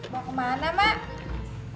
mau kemana mak